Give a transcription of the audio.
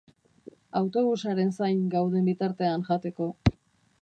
Autobusaren zain gauden bitartean jateko.